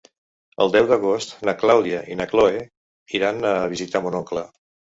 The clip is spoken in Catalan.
El deu d'agost na Clàudia i na Cloè iran a visitar mon oncle.